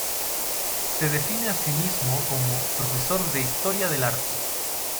Se define a sí mismo como "profesor de Historia del Arte.